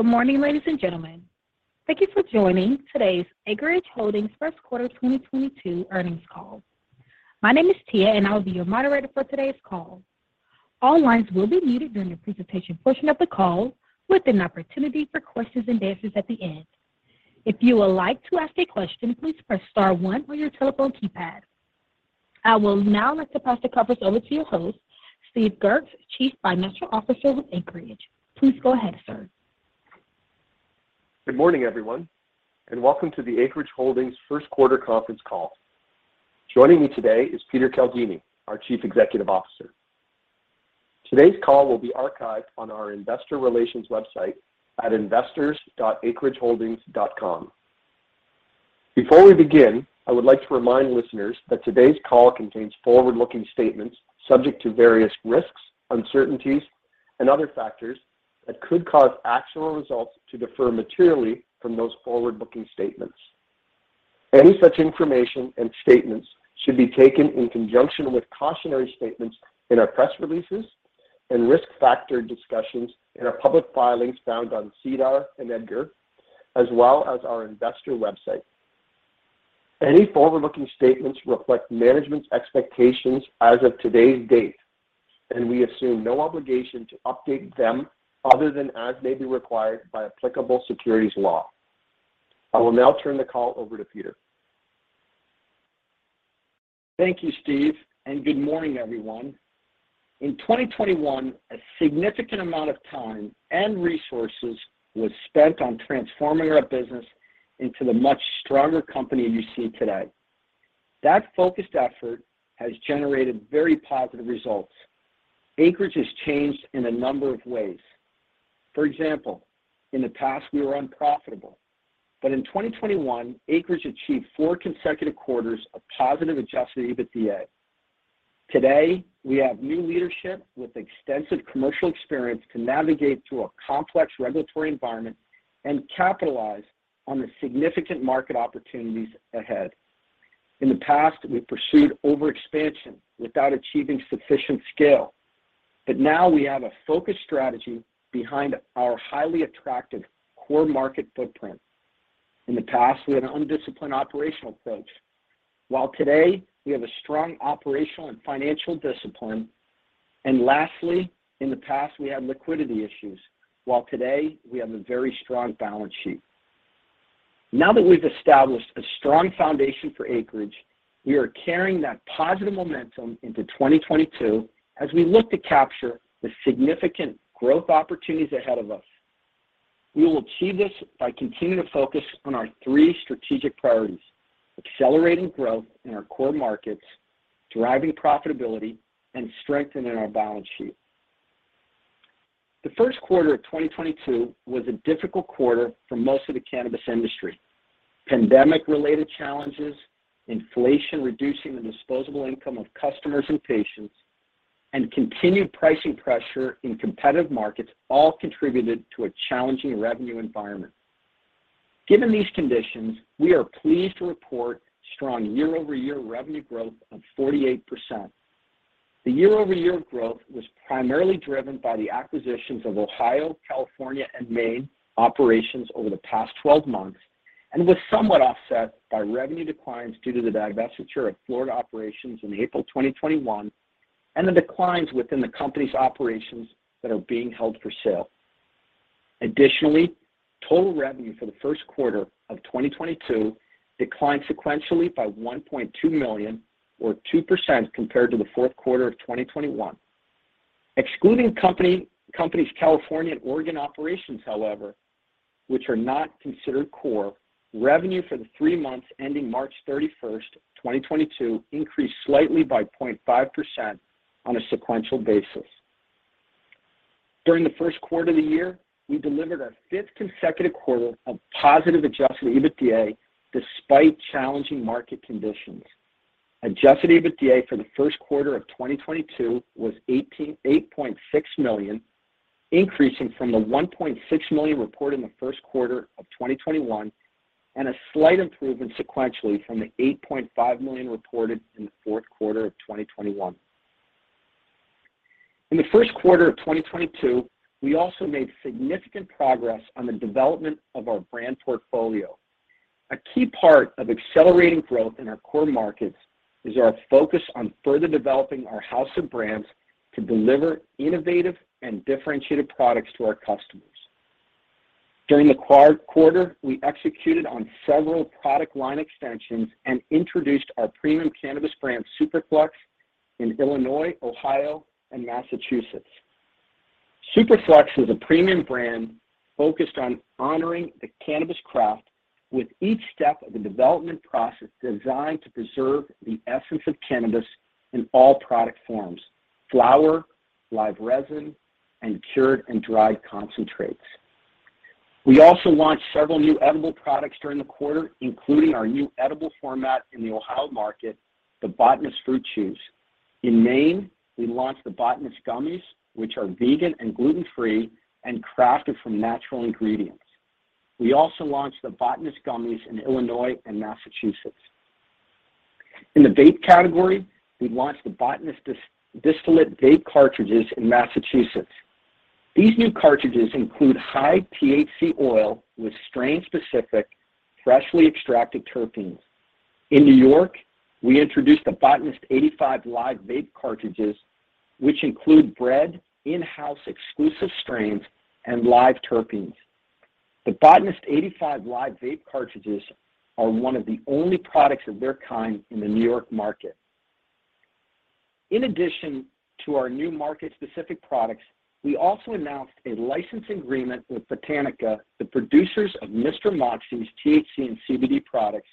Good morning, ladies and gentlemen. Thank you for joining today's Acreage Holdings First Quarter 2022 Earnings Call. My name is Tia, and I will be your moderator for today's call. All lines will be muted during the presentation portion of the call, with an opportunity for questions and answers at the end. If you would like to ask a question, please press star one on your telephone keypad. I would now like to pass the conference over to your host, Steve Goertz, Chief Financial Officer with Acreage. Please go ahead, sir. Good morning, everyone, and welcome to the Acreage Holdings First Quarter Conference Call. Joining me today is Peter Caldini, our Chief Executive Officer. Today's call will be archived on our investor relations website at investors.acreageholdings.com. Before we begin, I would like to remind listeners that today's call contains forward-looking statements subject to various risks, uncertainties, and other factors that could cause actual results to differ materially from those forward-looking statements. Any such information and statements should be taken in conjunction with cautionary statements in our press releases and risk factor discussions in our public filings found on SEDAR and EDGAR, as well as our investor website. Any forward-looking statements reflect management's expectations as of today's date, and we assume no obligation to update them other than as may be required by applicable securities law. I will now turn the call over to Peter. Thank you, Steve, and good morning, everyone. In 2021, a significant amount of time and resources was spent on transforming our business into the much stronger company you see today. That focused effort has generated very positive results. Acreage has changed in a number of ways. For example, in the past, we were unprofitable, but in 2021, Acreage achieved four consecutive quarters of positive adjusted EBITDA. Today, we have new leadership with extensive commercial experience to navigate through a complex regulatory environment and capitalize on the significant market opportunities ahead. In the past, we pursued overexpansion without achieving sufficient scale, but now we have a focused strategy behind our highly attractive core market footprint. In the past, we had an undisciplined operational approach, while today we have a strong operational and financial discipline. Lastly, in the past, we had liquidity issues, while today we have a very strong balance sheet. Now that we've established a strong foundation for Acreage, we are carrying that positive momentum into 2022 as we look to capture the significant growth opportunities ahead of us. We will achieve this by continuing to focus on our three strategic priorities, accelerating growth in our core markets, driving profitability, and strengthening our balance sheet. The first quarter of 2022 was a difficult quarter for most of the cannabis industry. Pandemic-related challenges, inflation reducing the disposable income of customers and patients, and continued pricing pressure in competitive markets all contributed to a challenging revenue environment. Given these conditions, we are pleased to report strong year-over-year revenue growth of 48%. The year-over-year growth was primarily driven by the acquisitions of Ohio, California, and Maine operations over the past 12 months and was somewhat offset by revenue declines due to the divestiture of Florida operations in April 2021 and the declines within the company's operations that are being held for sale. Additionally, total revenue for the first quarter of 2022 declined sequentially by $1.2 million or 2% compared to the fourth quarter of 2021. Excluding company's California and Oregon operations, however, which are not considered core, revenue for the three months ending March 31st, 2022 increased slightly by 0.5% on a sequential basis. During the first quarter of the year, we delivered our fifth consecutive quarter of positive adjusted EBITDA despite challenging market conditions. Adjusted EBITDA for the first quarter of 2022 was $88.6 million, increasing from the $1.6 million reported in the first quarter of 2021, and a slight improvement sequentially from the $8.5 million reported in the fourth quarter of 2021. In the first quarter of 2022, we also made significant progress on the development of our brand portfolio. A key part of accelerating growth in our core markets is our focus on further developing our house of brands to deliver innovative and differentiated products to our customers. During the quarter, we executed on several product line extensions and introduced our premium cannabis brand, Superflux, in Illinois, Ohio, and Massachusetts. Superflux is a premium brand focused on honoring the cannabis craft with each step of the development process designed to preserve the essence of cannabis in all product forms, flower, live resin, and cured and dried concentrates. We also launched several new edible products during the quarter, including our new edible format in the Ohio market, The Botanist Fruit Chews. In Maine, we launched The Botanist Gummies, which are vegan and gluten-free and crafted from natural ingredients. We also launched The Botanist Gummies in Illinois and Massachusetts. In the vape category, we launched The Botanist Distillate Vape Cartridges in Massachusetts. These new cartridges include high THC oil with strain-specific, freshly extracted terpenes. In New York, we introduced The Botanist 85 LIVE vape cartridges, which include bred in-house exclusive strains and live terpenes. The Botanist 85 LIVE vape cartridges are one of the only products of their kind in the New York market. In addition to our new market-specific products, we also announced a license agreement with Botanica, the producers of Mr. Moxey's THC and CBD products,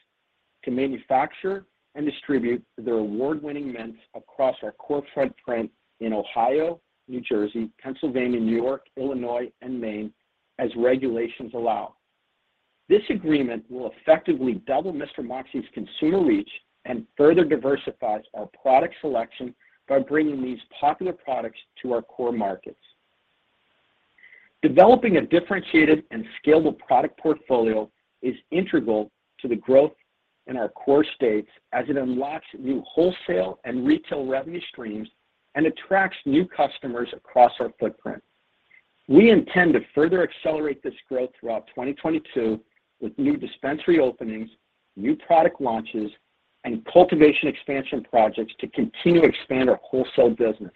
to manufacture and distribute their award-winning mints across our core footprint in Ohio, New Jersey, Pennsylvania, New York, Illinois, and Maine as regulations allow. This agreement will effectively double Mr. Moxey's consumer reach and further diversifies our product selection by bringing these popular products to our core markets. Developing a differentiated and scalable product portfolio is integral to the growth in our core states as it unlocks new wholesale and retail revenue streams and attracts new customers across our footprint. We intend to further accelerate this growth throughout 2022 with new dispensary openings, new product launches, and cultivation expansion projects to continue to expand our wholesale business.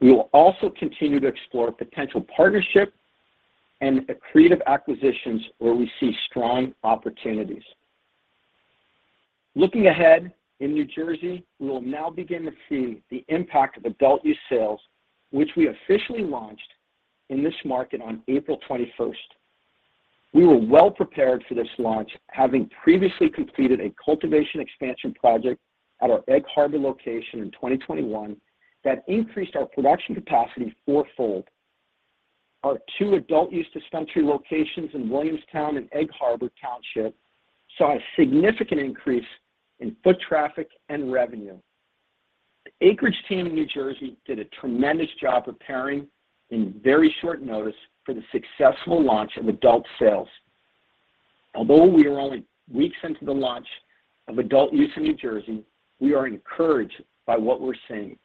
We will also continue to explore potential partnership and accretive acquisitions where we see strong opportunities. Looking ahead, in New Jersey, we will now begin to see the impact of adult use sales, which we officially launched in this market on April 21st. We were well prepared for this launch, having previously completed a cultivation expansion project at our Egg Harbor location in 2021 that increased our production capacity fourfold. Our two adult use dispensary locations in Williamstown and Egg Harbor Township saw a significant increase in foot traffic and revenue. The Acreage team in New Jersey did a tremendous job preparing in very short notice for the successful launch of adult sales. Although we are only weeks into the launch of adult use in New Jersey, we are encouraged by what we're seeing.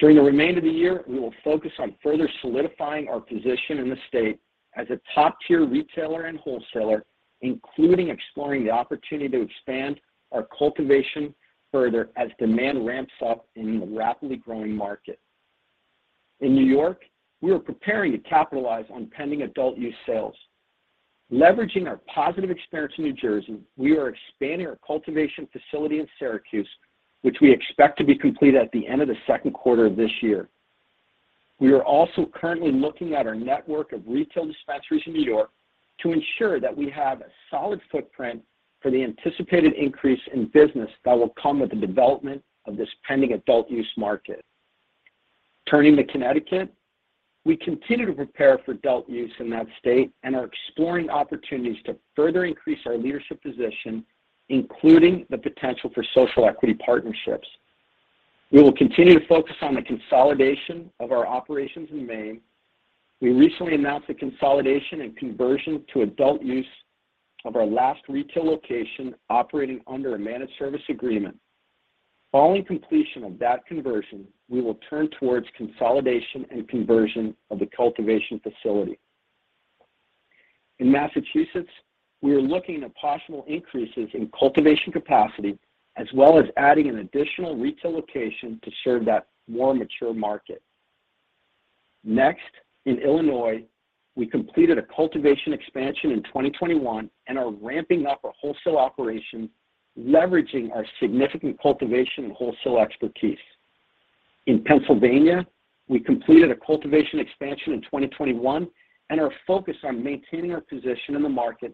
During the remainder of the year, we will focus on further solidifying our position in the state as a top-tier retailer and wholesaler, including exploring the opportunity to expand our cultivation further as demand ramps up in a rapidly growing market. In New York, we are preparing to capitalize on pending adult use sales. Leveraging our positive experience in New Jersey, we are expanding our cultivation facility in Syracuse, which we expect to be complete at the end of the second quarter of this year. We are also currently looking at our network of retail dispensaries in New York to ensure that we have a solid footprint for the anticipated increase in business that will come with the development of this pending adult use market. Turning to Connecticut, we continue to prepare for adult use in that state and are exploring opportunities to further increase our leadership position, including the potential for social equity partnerships. We will continue to focus on the consolidation of our operations in Maine. We recently announced the consolidation and conversion to adult use of our last retail location operating under a managed service agreement. Following completion of that conversion, we will turn towards consolidation and conversion of the cultivation facility. In Massachusetts, we are looking at possible increases in cultivation capacity, as well as adding an additional retail location to serve that more mature market. Next, in Illinois, we completed a cultivation expansion in 2021 and are ramping up our wholesale operation, leveraging our significant cultivation and wholesale expertise. In Pennsylvania, we completed a cultivation expansion in 2021 and are focused on maintaining our position in the market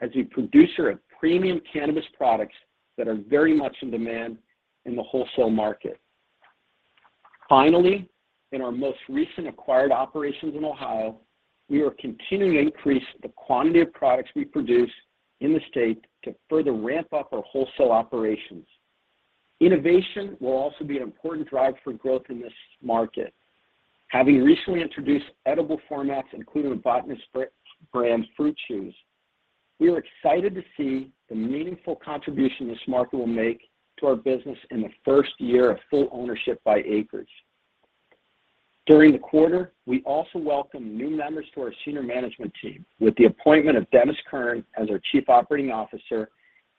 as a producer of premium cannabis products that are very much in demand in the wholesale market. Finally, in our most recent acquired operations in Ohio, we are continuing to increase the quantity of products we produce in the state to further ramp up our wholesale operations. Innovation will also be an important driver for growth in this market. Having recently introduced edible formats, including The Botanist Fruit Chews, we are excited to see the meaningful contribution this market will make to our business in the first year of full ownership by Acreage. During the quarter, we also welcomed new members to our senior management team with the appointment of Dennis Curran as our Chief Operating Officer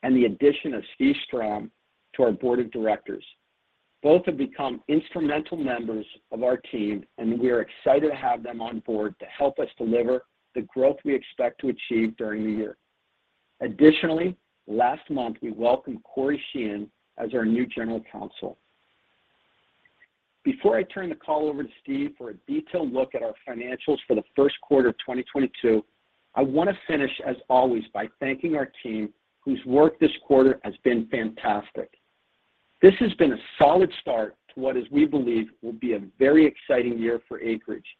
and the addition of Steve Strom to our board of directors. Both have become instrumental members of our team, and we are excited to have them on board to help us deliver the growth we expect to achieve during the year. Additionally, last month, we welcomed Corey Sheahan as our new General Counsel. Before I turn the call over to Steve for a detailed look at our financials for the first quarter of 2022, I want to finish, as always, by thanking our team, whose work this quarter has been fantastic. This has been a solid start to what we believe will be a very exciting year for Acreage.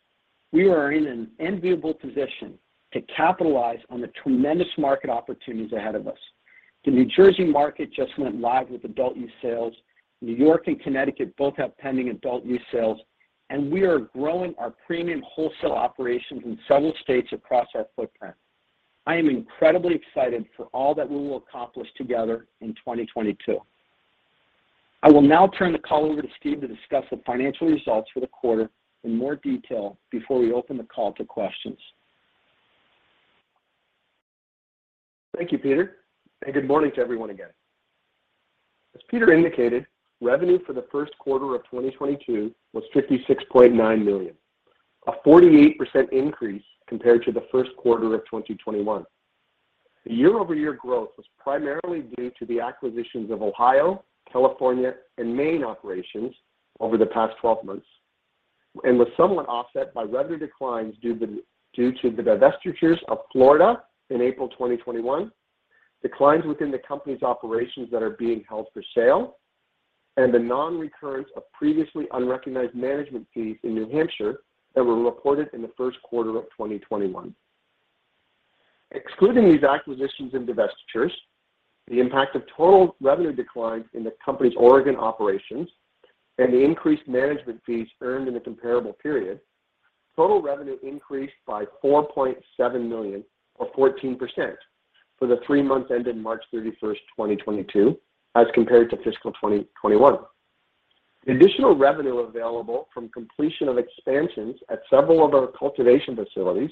We are in an enviable position to capitalize on the tremendous market opportunities ahead of us. The New Jersey market just went live with adult use sales. New York and Connecticut both have pending adult use sales, and we are growing our premium wholesale operations in several states across our footprint. I am incredibly excited for all that we will accomplish together in 2022. I will now turn the call over to Steve to discuss the financial results for the quarter in more detail before we open the call to questions. Thank you, Peter, and good morning to everyone again. As Peter indicated, revenue for the first quarter of 2022 was $56.9 million, a 48% increase compared to the first quarter of 2021. The year-over-year growth was primarily due to the acquisitions of Ohio, California, and Maine operations over the past 12 months, and was somewhat offset by revenue declines due to the divestitures of Florida in April 2021, declines within the company's operations that are being held for sale, and the non-recurrence of previously unrecognized management fees in New Hampshire that were reported in the first quarter of 2021. Excluding these acquisitions and divestitures, the impact of total revenue declines in the company's Oregon operations, and the increased management fees earned in the comparable period, total revenue increased by $4.7 million or 14% for the three months ending March 31st, 2022, as compared to fiscal 2021. The additional revenue available from completion of expansions at several of our cultivation facilities,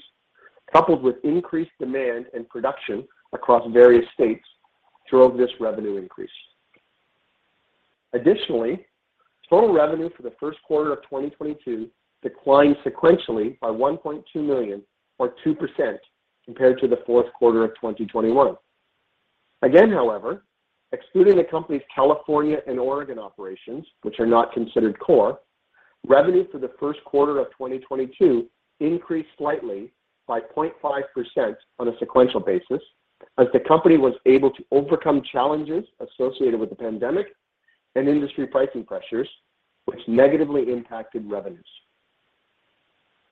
coupled with increased demand and production across various states, drove this revenue increase. Additionally, total revenue for the first quarter of 2022 declined sequentially by $1.2 million or 2% compared to the fourth quarter of 2021. Again, however, excluding the company's California and Oregon operations, which are not considered core, revenue for the first quarter of 2022 increased slightly by 0.5% on a sequential basis as the company was able to overcome challenges associated with the pandemic and industry pricing pressures, which negatively impacted revenues.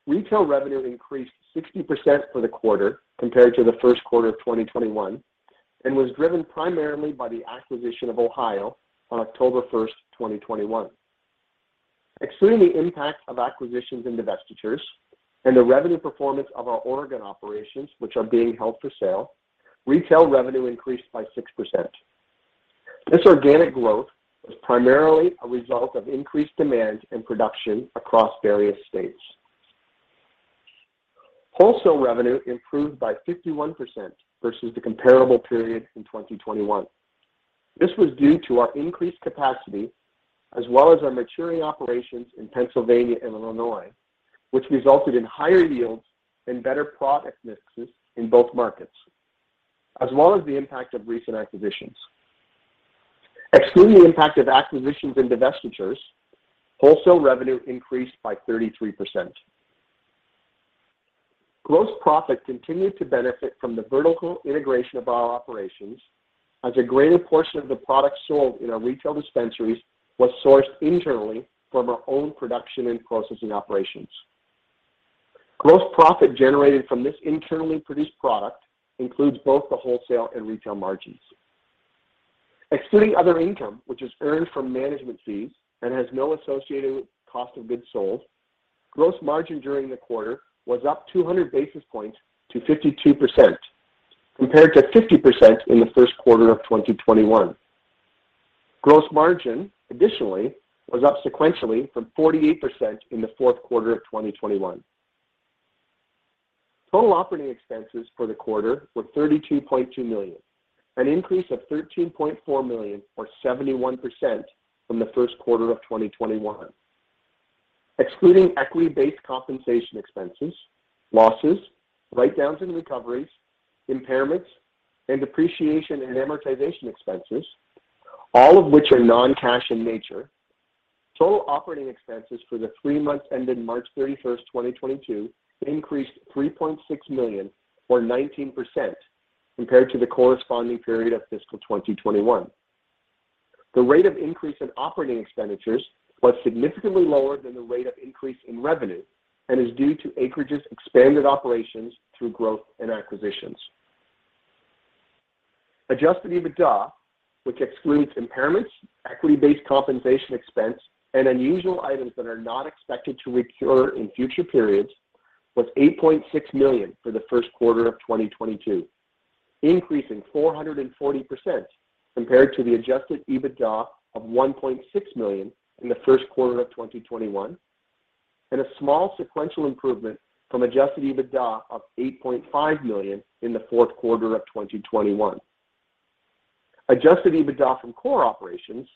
Retail revenue increased 60% for the quarter compared to the first quarter of 2021 and was driven primarily by the acquisition of Ohio on October 1st, 2021. Excluding the impact of acquisitions and divestitures and the revenue performance of our Oregon operations, which are being held for sale, retail revenue increased by 6%. This organic growth was primarily a result of increased demand and production across various states. Wholesale revenue improved by 51% versus the comparable period in 2021. This was due to our increased capacity as well as our maturing operations in Pennsylvania and Illinois, which resulted in higher yields and better product mixes in both markets, as well as the impact of recent acquisitions. Excluding the impact of acquisitions and divestitures, wholesale revenue increased by 33%. Gross profit continued to benefit from the vertical integration of our operations as a greater portion of the product sold in our retail dispensaries was sourced internally from our own production and processing operations. Gross profit generated from this internally produced product includes both the wholesale and retail margins. Excluding other income, which is earned from management fees and has no associated cost of goods sold, gross margin during the quarter was up 200 basis points to 52%, compared to 50% in the first quarter of 2021. Gross margin, additionally, was up sequentially from 48% in the fourth quarter of 2021. Total operating expenses for the quarter were $32.2 million, an increase of $13.4 million or 71% from the first quarter of 2021. Excluding equity-based compensation expenses, losses, write-downs and recoveries, impairments, and depreciation and amortization expenses, all of which are non-cash in nature, total operating expenses for the three months ended March 31st, 2022, increased $3.6 million or 19% compared to the corresponding period of fiscal 2021. The rate of increase in operating expenditures was significantly lower than the rate of increase in revenue and is due to Acreage's expanded operations through growth and acquisitions. Adjusted EBITDA, which excludes impairments, equity-based compensation expense, and unusual items that are not expected to recur in future periods, was $8.6 million for the first quarter of 2022, increasing 440% compared to the adjusted EBITDA of $1.6 million in the first quarter of 2021, and a small sequential improvement from adjusted EBITDA of $8.5 million in the fourth quarter of 2021. adjusted EBITDA from core operations,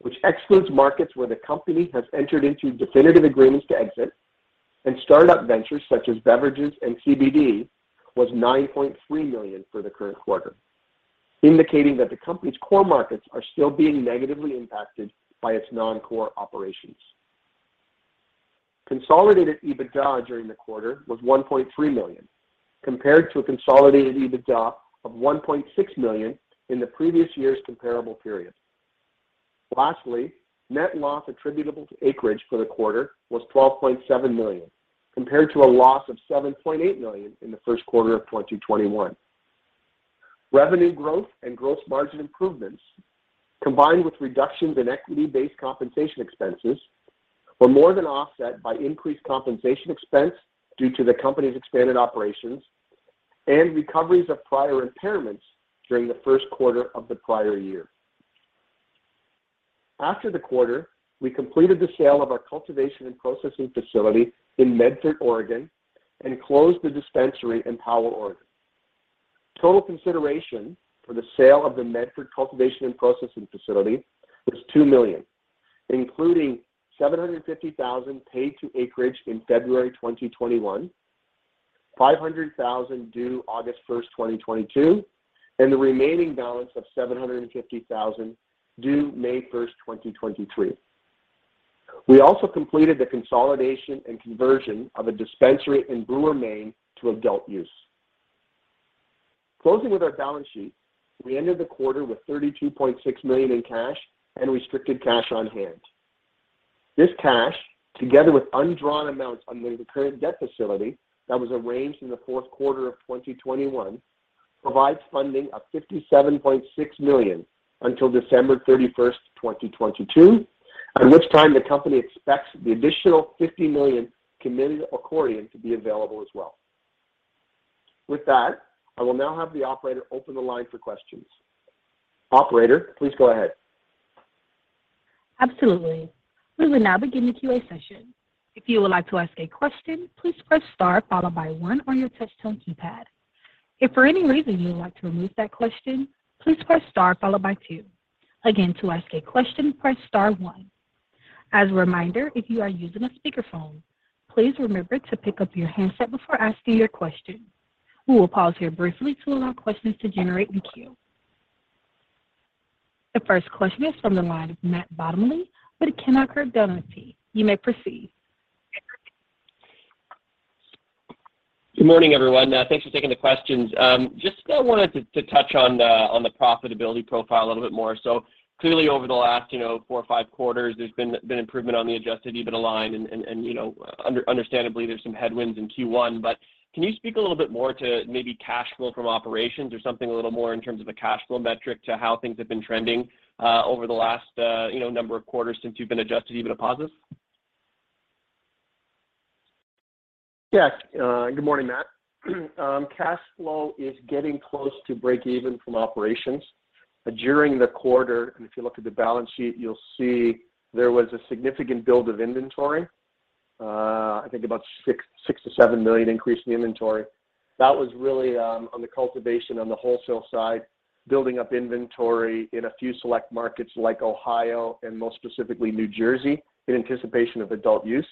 which excludes markets where the company has entered into definitive agreements to exit and startup ventures such as beverages and CBD, was $9.3 million for the current quarter, indicating that the company's core markets are still being negatively impacted by its non-core operations. Consolidated EBITDA during the quarter was $1.3 million, compared to a consolidated EBITDA of $1.6 million in the previous year's comparable period. Lastly, net loss attributable to Acreage for the quarter was $12.7 million, compared to a loss of $7.8 million in the first quarter of 2021. Revenue growth and gross margin improvements, combined with reductions in equity-based compensation expenses, were more than offset by increased compensation expense due to the company's expanded operations and recoveries of prior impairments during the first quarter of the prior year. After the quarter, we completed the sale of our cultivation and processing facility in Medford, Oregon, and closed the dispensary in Powell, Oregon. Total consideration for the sale of the Medford cultivation and processing facility was $2 million, including $750,000 paid to Acreage in February 2021, $500,000 due August 1st, 2022, and the remaining balance of $750,000 due May 1st, 2023. We also completed the consolidation and conversion of a dispensary in Brewer, Maine, to adult use. Closing with our balance sheet, we ended the quarter with $32.6 million in cash and restricted cash on hand. This cash, together with undrawn amounts under the current debt facility that was arranged in the fourth quarter of 2021, provides funding of $57.6 million until December 31st, 2022, at which time the company expects the additional $50 million committed accordion to be available as well. With that, I will now have the operator open the line for questions. Operator, please go ahead. Absolutely. We will now begin the QA session. If you would like to ask a question, please press star followed by one on your touch tone keypad. If for any reason you would like to remove that question, please press star followed by two. Again, to ask a question, press star one. As a reminder, if you are using a speakerphone, please remember to pick up your handset before asking your question. We will pause here briefly to allow questions to generate in queue. The first question is from the line of Matt Bottomley with Canaccord Genuity. You may proceed. Good morning, everyone. Thanks for taking the questions. Just wanted to touch on the profitability profile a little bit more. Clearly over the last, you know, four or five quarters, there's been improvement on the adjusted EBITDA line and, you know, understandably there's some headwinds in Q1. Can you speak a little bit more to maybe cash flow from operations or something a little more in terms of a cash flow metric to how things have been trending over the last, you know, number of quarters since you've been adjusted EBITDA positive? Yeah. Good morning, Matt. Cash flow is getting close to break even from operations. During the quarter, and if you look at the balance sheet, you'll see there was a significant build of inventory. I think about $6 million-$7 million increase in inventory. That was really on the cultivation on the wholesale side, building up inventory in a few select markets like Ohio and most specifically New Jersey in anticipation of adult use.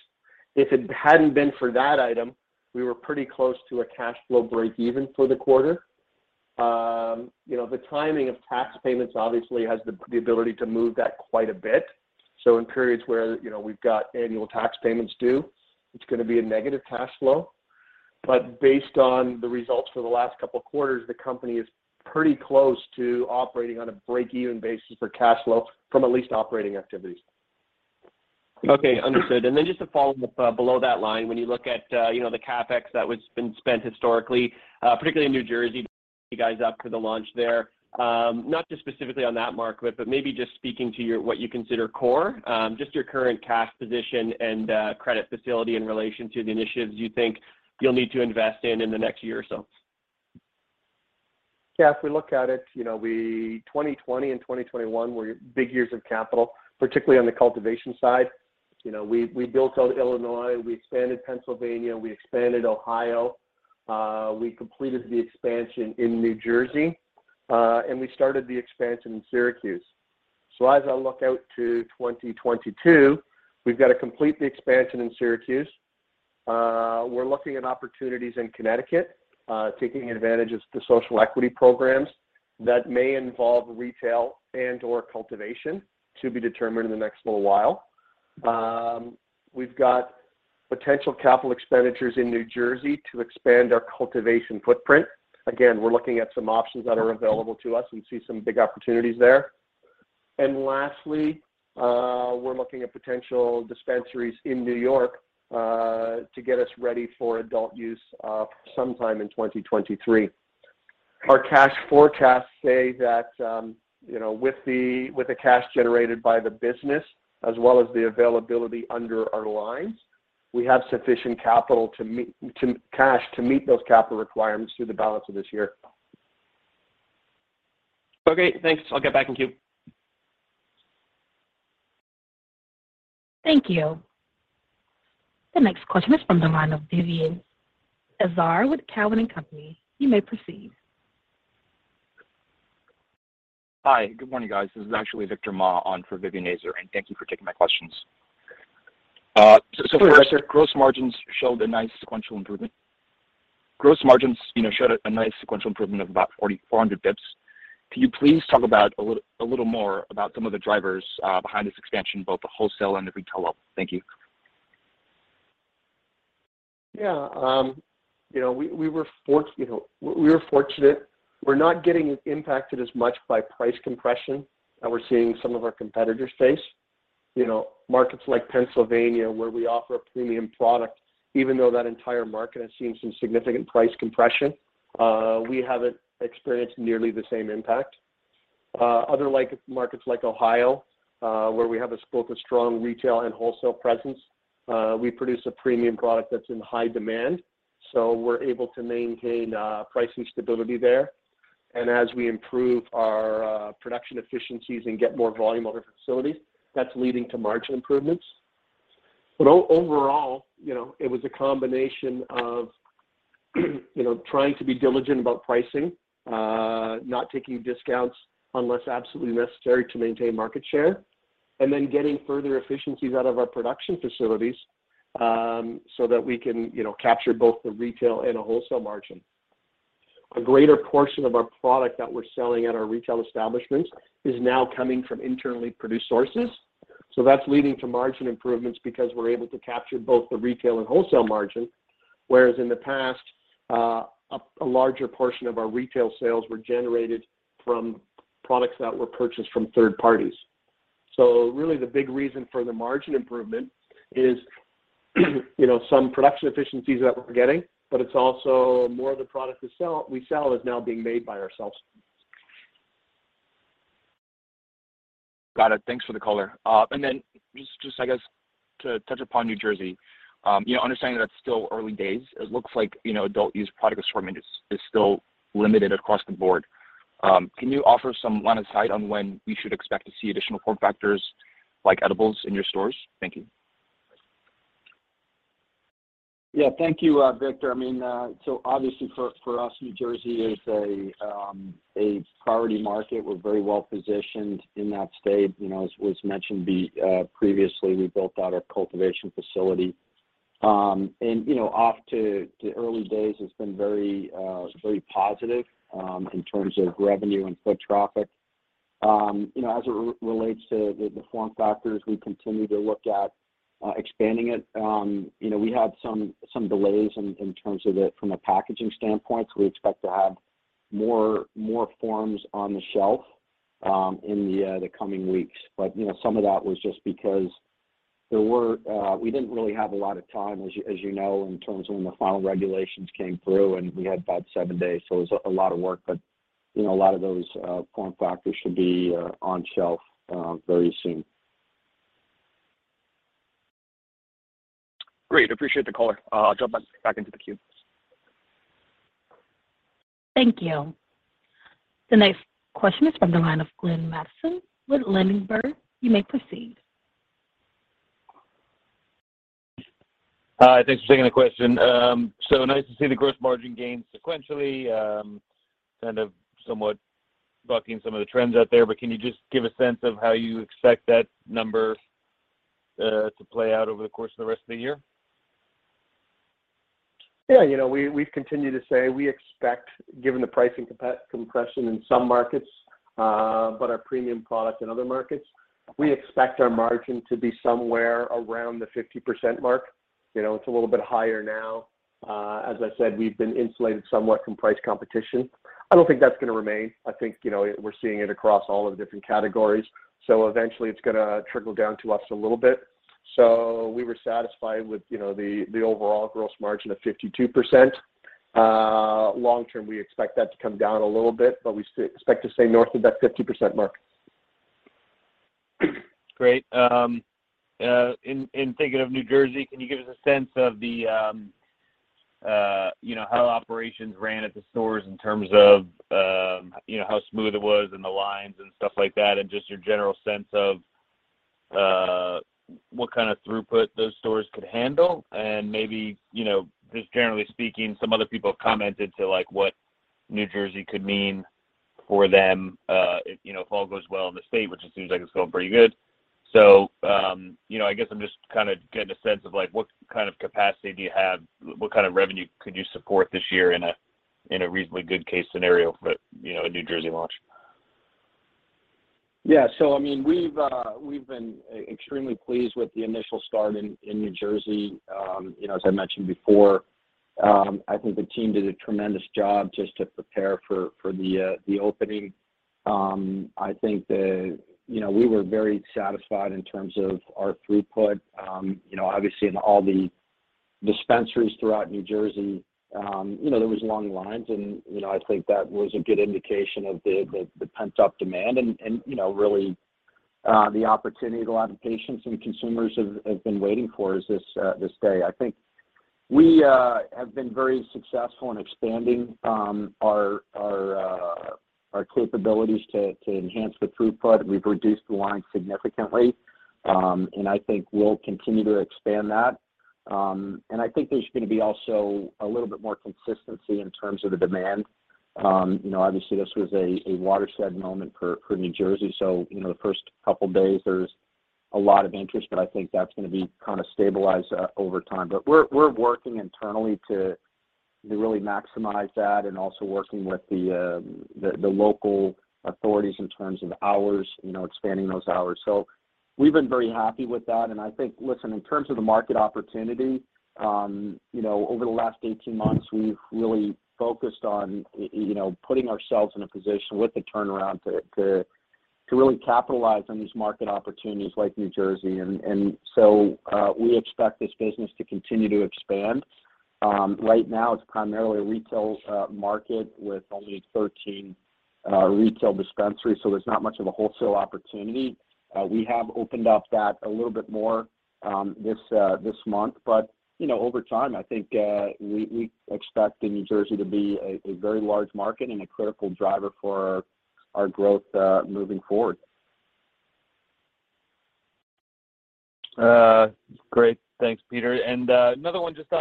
If it hadn't been for that item, we were pretty close to a cash flow break even for the quarter. You know, the timing of tax payments obviously has the ability to move that quite a bit. In periods where, you know, we've got annual tax payments due, it's gonna be a negative cash flow. Based on the results for the last couple of quarters, the company is pretty close to operating on a break-even basis for cash flow from at least operating activities. Okay. Understood. Just to follow up, below that line, when you look at, you know, the CapEx that's been spent historically, particularly in New Jersey, your ramp up for the launch there, not just specifically on that market, but maybe just speaking to what you consider your core, just your current cash position and credit facility in relation to the initiatives you think you'll need to invest in the next year or so. Yeah. If we look at it, you know, 2020 and 2021 were big years of capital, particularly on the cultivation side. You know, we built out Illinois, we expanded Pennsylvania, we expanded Ohio, we completed the expansion in New Jersey, and we started the expansion in Syracuse. As I look out to 2022, we've got to complete the expansion in Syracuse. We're looking at opportunities in Connecticut, taking advantage of the social equity programs that may involve retail and/or cultivation to be determined in the next little while. We've got potential capital expenditures in New Jersey to expand our cultivation footprint. Again, we're looking at some options that are available to us and see some big opportunities there. Lastly, we're looking at potential dispensaries in New York, to get us ready for adult use, sometime in 2023. Our cash forecasts say that, you know, with the cash generated by the business as well as the availability under our lines, we have sufficient capital to meet those capital requirements through the balance of this year. Okay, thanks. I'll get back in queue. Thank you. The next question is from the line of Vivien Azer with Cowen and Company. You may proceed. Hi. Good morning, guys. This is actually Victor Ma on for Vivien Azer, and thank you for taking my questions. Sure. First, gross margins showed a nice sequential improvement. Gross margins, you know, showed a nice sequential improvement of about 400 basis points. Can you please talk about a little more about some of the drivers behind this expansion, both the wholesale and the retail level? Thank you. Yeah. You know, we were fortunate. We're not getting impacted as much by price compression that we're seeing some of our competitors face. You know, markets like Pennsylvania, where we offer a premium product, even though that entire market has seen some significant price compression, we haven't experienced nearly the same impact. Other like markets like Ohio, where we have a scope of strong retail and wholesale presence, we produce a premium product that's in high demand, so we're able to maintain pricing stability there. As we improve our production efficiencies and get more volume out of our facilities, that's leading to margin improvements. Overall, you know, it was a combination of, you know, trying to be diligent about pricing, not taking discounts unless absolutely necessary to maintain market share, and then getting further efficiencies out of our production facilities, so that we can, you know, capture both the retail and a wholesale margin. A greater portion of our product that we're selling at our retail establishments is now coming from internally produced sources. That's leading to margin improvements because we're able to capture both the retail and wholesale margin, whereas in the past, a larger portion of our retail sales were generated from products that were purchased from third parties. Really the big reason for the margin improvement is, you know, some production efficiencies that we're getting, but it's also more of the product we sell is now being made by ourselves. Got it. Thanks for the color. Just I guess to touch upon New Jersey, you know, understanding that it's still early days, it looks like, you know, adult-use product assortment is still limited across the board. Can you offer some line of sight on when we should expect to see additional form factors like edibles in your stores? Thank you. Yeah. Thank you, Victor. I mean, so obviously for us, New Jersey is a priority market. We're very well positioned in that state. You know, as was mentioned previously, we built out our cultivation facility. You know, in the early days, it's been very positive in terms of revenue and foot traffic. You know, as it relates to the form factors, we continue to look at expanding it. You know, we had some delays in terms of it from a packaging standpoint, so we expect to have more forms on the shelf in the coming weeks. You know, some of that was just because there were We didn't really have a lot of time, as you know, in terms of when the final regulations came through, and we had about seven days, so it was a lot of work. You know, a lot of those form factors should be on shelf very soon. Great. Appreciate the color. I'll jump back into the queue. Thank you. The next question is from the line of Glenn Mattson with Ladenburg Thalmann. You may proceed. Hi. Thanks for taking the question. Nice to see the gross margin gain sequentially, kind of somewhat bucking some of the trends out there. Can you just give a sense of how you expect that number to play out over the course of the rest of the year? Yeah. You know, we've continued to say we expect, given the pricing compression in some markets, but our premium product in other markets, we expect our margin to be somewhere around the 50% mark. You know, it's a little bit higher now. As I said, we've been insulated somewhat from price competition. I don't think that's gonna remain. I think, you know, we're seeing it across all of the different categories, so eventually it's gonna trickle down to us a little bit. We were satisfied with, you know, the overall gross margin of 52%. Long term, we expect that to come down a little bit, but we expect to stay north of that 50% mark. Great. In thinking of New Jersey, can you give us a sense of the, you know, how operations ran at the stores in terms of, you know, how smooth it was and the lines and stuff like that, and just your general sense of, what kind of throughput those stores could handle? Maybe, you know, just generally speaking, some other people have commented, too, like, what New Jersey could mean for them, if, you know, if all goes well in the state, which it seems like it's going pretty good. You know, I guess I'm just kind of getting a sense of, like, what kind of capacity do you have, what kind of revenue could you support this year in a reasonably good case scenario for, you know, a New Jersey launch? Yeah. I mean, we've been extremely pleased with the initial start in New Jersey. You know, as I mentioned before, I think the team did a tremendous job just to prepare for the opening. You know, we were very satisfied in terms of our throughput. You know, obviously in all the dispensaries throughout New Jersey, you know, there was long lines and, you know, I think that was a good indication of the pent-up demand and, you know, really, the opportunity that a lot of patients and consumers have been waiting for is this day. I think we have been very successful in expanding our capabilities to enhance the throughput. We've reduced the lines significantly, and I think we'll continue to expand that. I think there's gonna be also a little bit more consistency in terms of the demand. You know, obviously this was a watershed moment for New Jersey, so you know, the first couple days there's a lot of interest, but I think that's gonna be kind of stabilized over time. We're working internally to really maximize that and also working with the local authorities in terms of hours, you know, expanding those hours. We've been very happy with that, and I think, listen, in terms of the market opportunity, you know, over the last 18 months, we've really focused on you know, putting ourselves in a position with the turnaround to really capitalize on these market opportunities like New Jersey. We expect this business to continue to expand. Right now it's primarily a retail market with only 13 retail dispensaries, so there's not much of a wholesale opportunity. We have opened up that a little bit more this month. You know, over time, I think we expect New Jersey to be a very large market and a critical driver for our growth moving forward. Great. Thanks, Peter. Another one just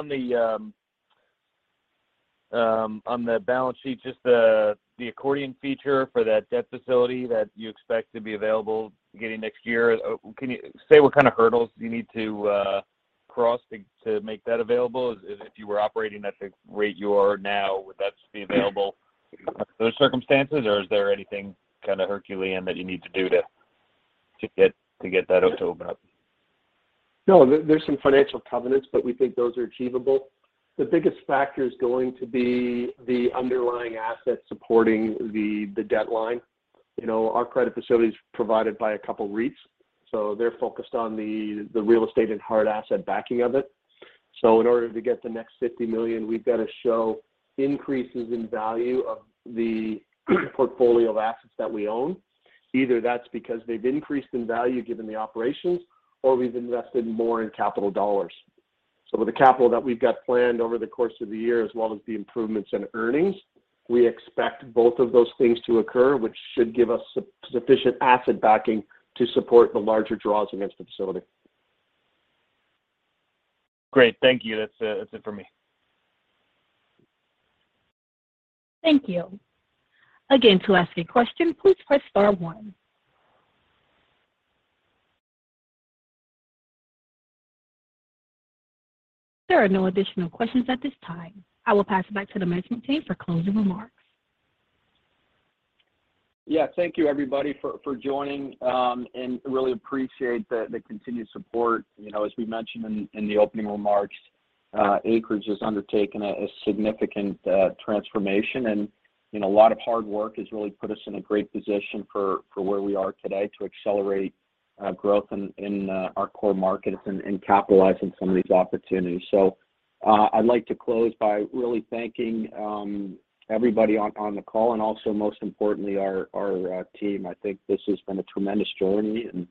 on the balance sheet, just the accordion feature for that debt facility that you expect to be available beginning next year. Can you say what kind of hurdles you need to cross to make that available as if you were operating at the rate you are now, would that still be available under those circumstances, or is there anything kind of herculean that you need to do to get that opened up? No. There are some financial covenants, but we think those are achievable. The biggest factor is going to be the underlying asset supporting the drawdown. You know, our credit facility is provided by a couple of REITs, so they're focused on the real estate and hard asset backing of it. In order to get the next $50 million, we've got to show increases in value of the portfolio of assets that we own. Either that's because they've increased in value given the operations, or we've invested more in capital dollars. With the capital that we've got planned over the course of the year, as well as the improvements in earnings, we expect both of those things to occur, which should give us sufficient asset backing to support the larger draws against the facility. Great. Thank you. That's it for me. Thank you. Again, to ask a question, please press star one. There are no additional questions at this time. I will pass it back to the management team for closing remarks. Yeah. Thank you, everybody for joining, and really appreciate the continued support. You know, as we mentioned in the opening remarks, Acreage has undertaken a significant transformation, and, you know, a lot of hard work has really put us in a great position for where we are today to accelerate growth in our core markets and capitalizing some of these opportunities. I'd like to close by really thanking everybody on the call and also, most importantly, our team. I think this has been a tremendous journey and,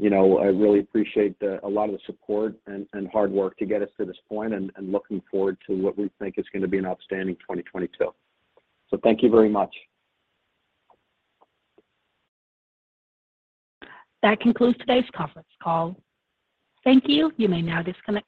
you know, I really appreciate a lot of the support and hard work to get us to this point and looking forward to what we think is gonna be an outstanding 2022. Thank you very much. That concludes today's conference call. Thank you. You may now disconnect your line.